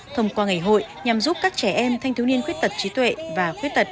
thông qua ngày hội nhằm giúp các trẻ em thanh thiếu niên khuyết tật trí tuệ và khuyết tật